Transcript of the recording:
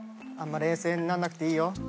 冷静になんなくていいよ。